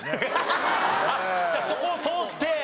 そこを通って。